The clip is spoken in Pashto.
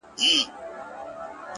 • بس همدومره مي زده کړي له استاده,